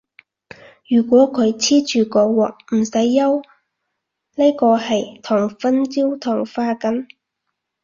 如果佢黐住個鑊，唔使憂，呢個係糖分焦糖化緊